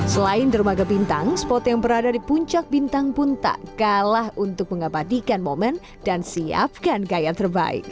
selain dermaga bintang spot yang berada di puncak bintang pun tak kalah untuk mengabadikan momen dan siapkan gaya terbaik